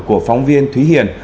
của phóng viên thúy hiền